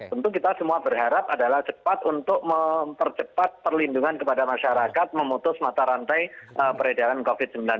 tentu kita semua berharap adalah cepat untuk mempercepat perlindungan kepada masyarakat memutus mata rantai peredaran covid sembilan belas